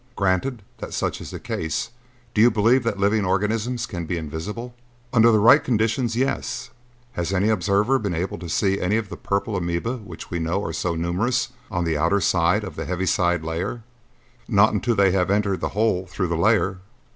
Granted that such is the case, do you believe that living organisms can be invisible?" "Under the right conditions, yes. Has any observer been able to see any of the purple amoeba which we know are so numerous on the outer side of the heaviside layer?" "Not until they have entered the hole through the layer."